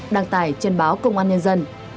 đăng tài trên báo công an nhân dân